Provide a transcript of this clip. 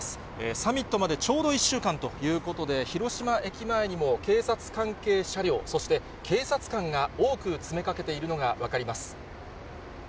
サミットまでちょうど１週間ということで、広島駅前にも警察関係車両、そして警察官が多く詰めかけているのが分かります。